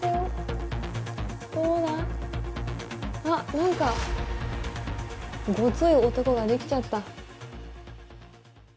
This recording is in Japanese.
あっ何かゴツイ男ができちゃった。